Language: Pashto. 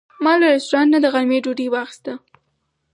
ما له رستورانت نه د غرمې ډوډۍ واخیسته.